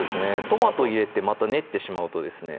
トマト入れてまた練ってしまうとですね